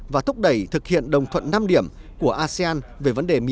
và thúc đẩy thực hiện đồng thuận năm điểm của asean về vấn đề mỹ